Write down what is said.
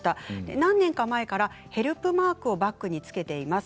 何年か前からヘルプマークをバッグに付けています。